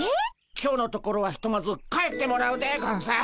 今日のところはひとまず帰ってもらうでゴンス。